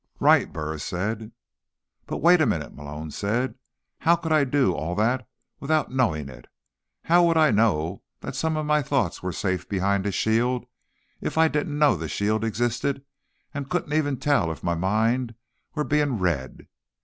"Right," Burris said. "But, wait a minute," Malone said. "How could I do all that without knowing it? How would I know that some of my thoughts were safe behind a shield if I didn't know the shield existed and couldn't even tell if my mind were being read?"